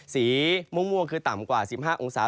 สีม่วงคือต่ำกว่า๑๕องศา